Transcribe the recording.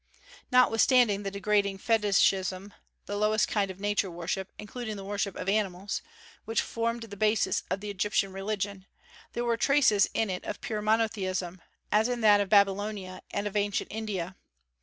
Notwithstanding the degrading fetichism the lowest kind of Nature worship, including the worship of animals which formed the basis of the Egyptian religion, there were traces in it of pure monotheism, as in that of Babylonia and of ancient India.